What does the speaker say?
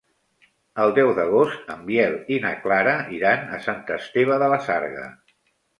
El deu d'agost en Biel i na Clara iran a Sant Esteve de la Sarga.